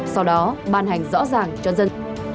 sau đó ban hành rõ ràng cho dân